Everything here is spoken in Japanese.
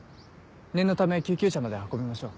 念のため救急車まで運びましょう。